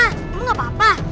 kamu gak apa apa